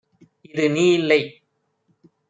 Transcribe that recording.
இது நீ இல்லை